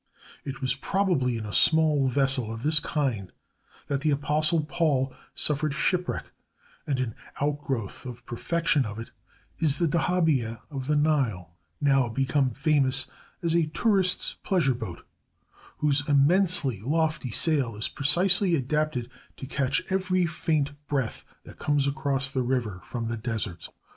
It was probably in a small vessel of this kind that the Apostle Paul suffered shipwreck; and an outgrowth and perfection of it is the dahabiyeh of the Nile, now become famous as a tourists' pleasure boat, whose immensely lofty sail is precisely adapted to catch every faint breath that comes across the river from the deserts.